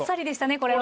これは。